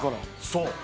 そう。